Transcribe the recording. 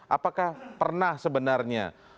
apakah pernah sebenarnya